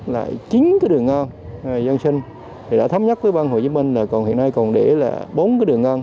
chín cái đường ngang giao sinh thì đã thấm nhắc với bang hồ chí minh là còn hiện nay còn để là bốn cái đường ngang